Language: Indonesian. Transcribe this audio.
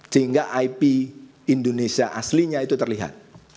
sehingga ip indonesia aslinya itu terlihat